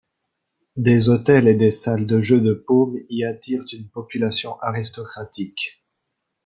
Des hôtels et des salles de jeu de paume y attirent une population aristocratique.